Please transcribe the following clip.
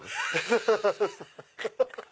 ハハハハ！